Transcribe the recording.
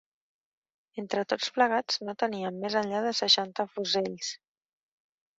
Entre tots plegats no teníem més enllà de seixanta fusells